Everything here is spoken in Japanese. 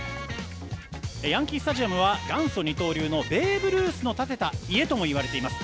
ヤンキー・スタジアムは元祖二刀流のベーブ・ルースの建てた家ともいわれています。